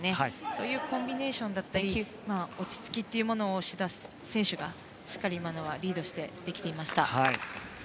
そういうコンビネーションだったり落ち着きというのを志田選手がしっかり今のはリードしてできていました。